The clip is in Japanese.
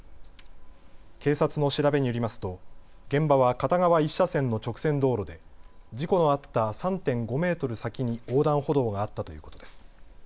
警察の調べによりますと現場は片側１車線の直線道路で事故のあった３．５メートル先に横断歩道があったということです。